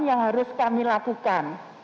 yang harus kami lakukan